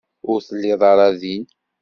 Ur telliḍ ara din.